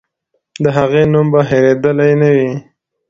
د هغې نوم به هېرېدلی نه وي.